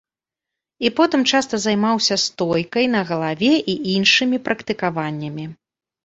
І потым часта займаўся стойкай на галаве і іншымі практыкаваннямі.